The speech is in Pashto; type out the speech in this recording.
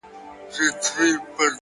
د داســي زيـري انـتــظـار كـومــه;